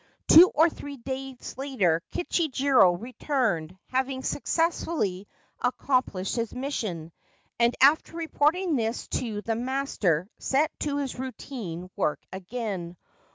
Two or three days later Kichijiro returned, having successfully accom plished his mission, and, after reporting this to the master, set to his routine work again.